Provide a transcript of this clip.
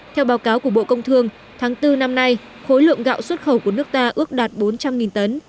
theo báo cáo của bộ công thương tháng bốn năm nay khối lượng gạo xuất khẩu của nước ta ước đạt bốn trăm linh tấn